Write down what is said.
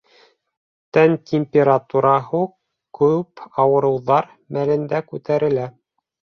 Тән температураһы күп ауырыуҙар мәлендә күтәрелә.